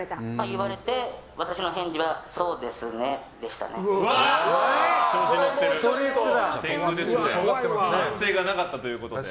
言われて、私の返事はそうですね、でしたね。反省がなかったということで。